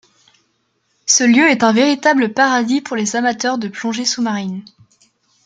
Ce lieu est un véritable paradis pour les amateurs de plongée sous-marine.